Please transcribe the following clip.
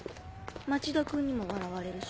町田君にも笑われるし。